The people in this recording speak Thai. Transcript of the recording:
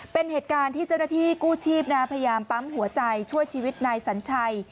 เป็นเหตุการณ์ที่เจ้าหน้าที่กู้ชีพพยายามปั๊มหัวใจช่วยชีวิตนายสัญชัย